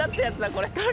これ？